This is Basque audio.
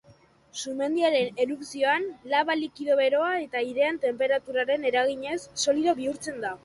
Sumendiaren erupzioan laba likido beroa eta airearen tenperaturaren eraginez, solido bihurtzen da.